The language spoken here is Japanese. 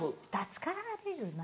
疲れるな。